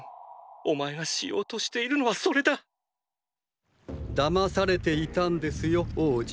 お前がしようとしているのはそれだ騙されていたんですよ王子。